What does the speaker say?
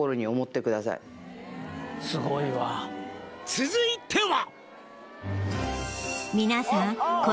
「続いては」